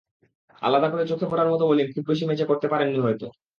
আলাদা করে চোখে পড়ার মতো বোলিং খুব বেশি ম্যাচে করতে পারেননি হয়তো।